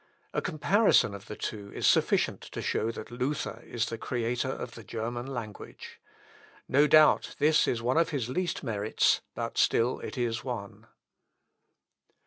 A comparison of the two is sufficient to show that Luther is the creator of the German language. No doubt, this is one of his least merits, but still it is one.